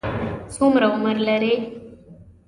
څومره عمر لري؟